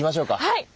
はい！